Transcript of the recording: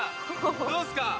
どうですか？